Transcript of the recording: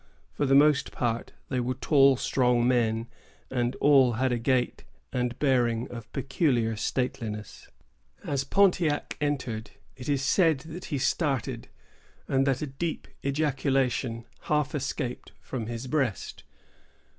For the most part, they were tall, strong men, and all had a gait and bearing of peculiar stateliness. As Pontiac entered, it is said that he started, and that a deep ejaculation half escaped from his breast.